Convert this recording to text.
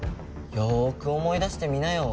よく思い出してみなよ。